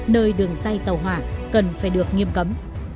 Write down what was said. nơi đường say tàu hỏa cần phải được nghiêm cấm